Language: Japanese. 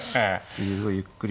すごいゆっくり。